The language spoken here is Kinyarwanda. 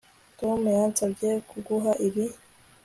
Tom yansabye kuguha ibi